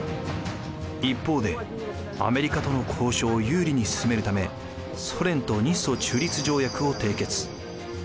一方でアメリカとの交渉を有利に進めるためソ連と日ソ中立条約を締結。